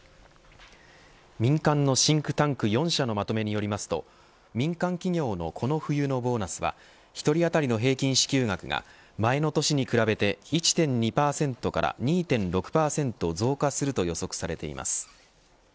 民間のシンクタンク４社のまとめによりますと民間企業のこの冬のボーナスは１人当たりの平均支給額が前の年に比べて１．２％から２．６％増加すると予測されています。